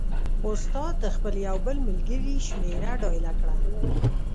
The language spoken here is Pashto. استاد د خپل یو بل ملګري شمېره ډایله کړه.